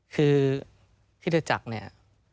คือคริสตจักรเนี่ย